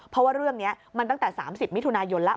เพราะว่าเรื่องนี้มันตั้งแต่๓๐มิถุนายนแล้ว